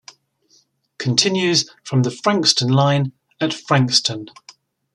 Continues from the Frankston line at Frankston.